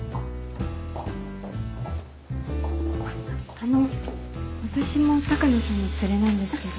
あの私も鷹野さんの連れなんですけど。